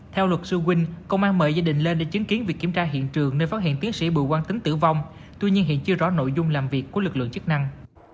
theo luật sư quynh công an mời gia đình lên để chứng kiến việc kiểm tra hiện trường nơi phát hiện tiến sĩ bùi quang tính tử vong tuy nhiên hiện chưa rõ nội dung làm việc của lực lượng chức năng